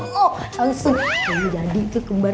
langsung jadi kekembar dua belas